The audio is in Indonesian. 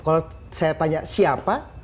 kalau saya tanya siapa